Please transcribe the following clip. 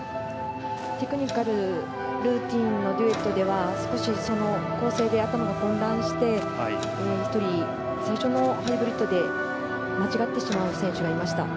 テクニカルルーティンのデュエットでは少し、構成で頭が混乱して１人、最初のハイブリッドで間違ってしまう選手がいました。